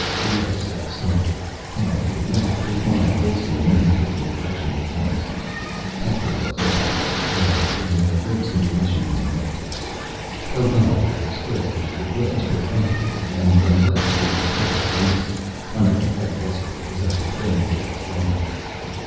Leoh sat stolidly, hands in lap, his mind racing in many different directions at once. Hector was off at the phone, getting the latest information from the meditechs. Odal had expressed his regrets perfunctorily, and then left for the Kerak Embassy, under a heavy escort of his own plainclothes guards.